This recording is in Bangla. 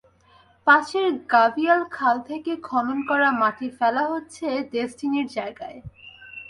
পাশের গাভীয়ার খাল থেকে খনন করা মাটি ফেলা হচ্ছে ডেসটিনির জায়গায়।